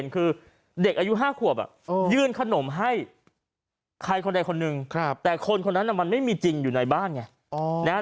ใครคนใดคนหนึ่งแต่คนคนนั้นมันไม่มีจริงอยู่ในบ้านไง